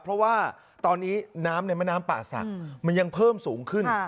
เพราะว่าตอนนี้น้ำในแม่น้ำป่าศักดิ์มันยังเพิ่มสูงขึ้น